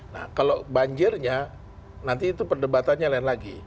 nah kalau banjirnya nanti itu perdebatannya lain lagi